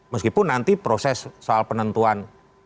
meskipun nanti proses soal penentuan